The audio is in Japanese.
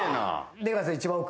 出川さん一番奥？